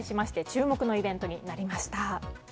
注目のイベントになりました。